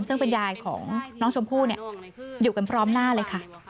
ซึ่งเป็นยายของน้องชมพู่อยู่กันพร้อมหน้าเลยค่ะ